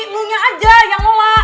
lu aja yang lola